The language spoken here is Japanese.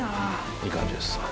いい感じです。